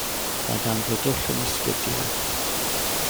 Mae ganddo dwll yn 'i 'sgidia.